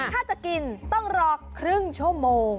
ถ้าจะกินต้องรอครึ่งชั่วโมง